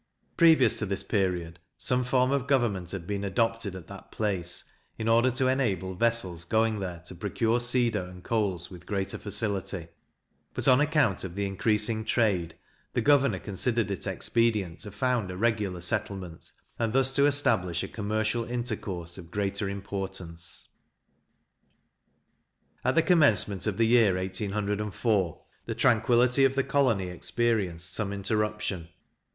Previous to this period, some form of government had been adopted at that place, in order to enable vessels going there to procure cedar and coals with greater facility; but, on account of the increasing trade, the governor considered it expedient to found a regular settlement, and thus to establish a commercial intercourse of greater importance. At the commencement of the year 1804, the tranquillity of the colony experienced some interruption.